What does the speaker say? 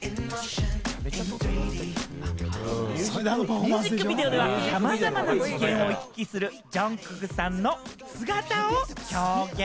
ミュージックビデオではさまざまな次元を行き来するＪＵＮＧＫＯＯＫさんの姿を表現。